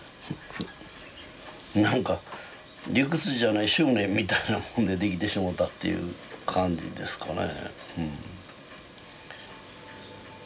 なんか理屈じゃない執念みたいなもんで出来てしもうたっていう感じですかね。